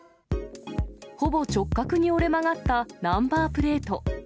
ほぼ直角に折れ曲がったナンバープレート。